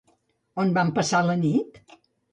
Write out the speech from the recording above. On van passar la nit?